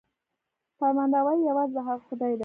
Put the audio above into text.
فرمانروايي یوازې د هغه خدای ده.